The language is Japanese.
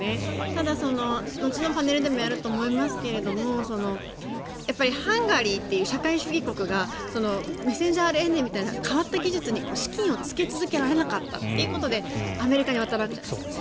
ただ、後のパネルでもやると思いますがハンガリーっていう社会主義国がメッセンジャーＲＮＡみたいな変わった技術に資金をつけ続けられなかったということでアメリカに渡るわけじゃないですか。